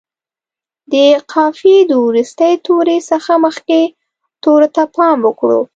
د قافیې د وروستي توري څخه مخکې تورو ته پام وکړو.